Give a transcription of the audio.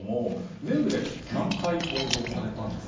全部で何回登場されたんですか？